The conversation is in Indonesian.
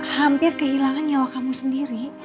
hampir kehilangan nyawa kamu sendiri